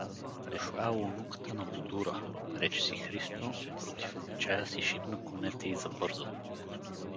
„Дошла е унуката на Бодура!“ — рече си Христо и против обичая си шибна конете и забърза.